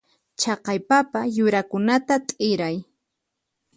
Chaqay papa yurakunata t'iray.